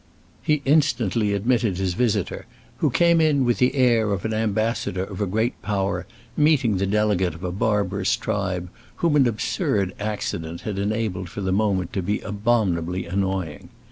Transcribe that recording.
He instantly admitted his visitor, who came in with the air of the ambassador of a great power meeting the delegate of a barbarous tribe whom an absurd accident had enabled for the moment to be abominably annoying.